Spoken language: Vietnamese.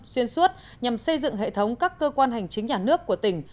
xuyên suốt nhằm xây dựng hệ thống các cơ quan hành chính nhà nước của tỉnh